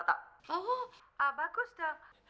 barrel bagus dong